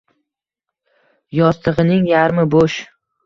Yostig’ining yarmi bo’sh.